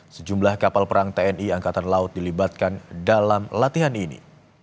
sejumlah kapal perang tni angkatan laut dilibatkan dalam latihan ini